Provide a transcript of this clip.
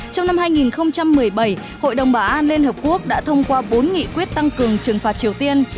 trong năm hai nghìn một mươi bảy hội đồng bảo an liên hợp quốc đã thông qua bốn nghị quyết tăng cường trừng phạt triều tiên